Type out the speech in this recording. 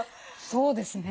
そうですね。